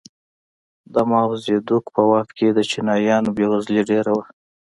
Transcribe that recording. د ماوو زیدونګ په وخت کې د چینایانو بېوزلي ډېره وه.